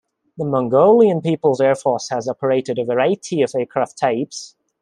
The Mongolian People's Air Force has operated a variety of aircraft types.